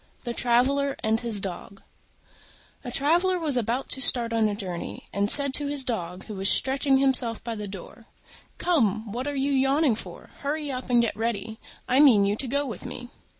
THE TRAVELLER AND HIS DOG A Traveller was about to start on a journey, and said to his Dog, who was stretching himself by the door, "Come, what are you yawning for? Hurry up and get ready: I mean you to go with me."